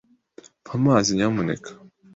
Mpa amazi, nyamuneka.